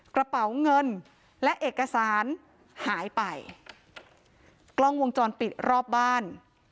กระเป๋าเงินและเอกสารหายไปกล้องวงจรปิดรอบบ้าน